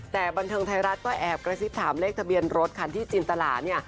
แต่บันเทิงไทยรัฐก็แอบกระซิบถามเลขทะเบียนรถคันที่จินตลาเนี่ย